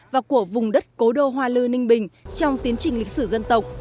và của vùng đất cố đô hoa lư ninh bình trong tiến trình lịch sử dân tộc